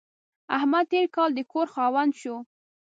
احمد تېر کال د کور خاوند شو.